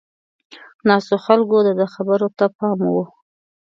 ناستو خلکو د ده خبرو ته پام و.